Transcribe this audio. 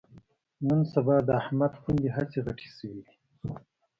نن سبا د احمد پوندې هسې غټې شوې دي